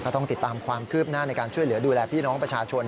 ต้องติดตามความคืบหน้าในการช่วยเหลือดูแลพี่น้องประชาชน